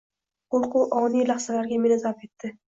Qo`rquv oniy lahzalarga meni zabt etdi